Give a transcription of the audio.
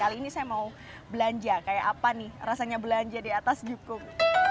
kali ini saya mau belanja kayak apa nih rasanya belanja di atas cukup